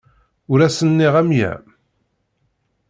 Ur asen-nniɣ amya.